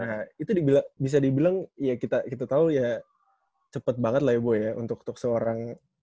nah itu bisa dibilang ya kita tau ya cepet banget lah ya bo ya untuk seorang